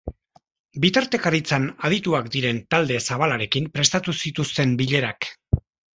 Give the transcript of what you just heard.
Bitartekaritzan adituak diren talde zabalarekin prestatu zituzten bilerak.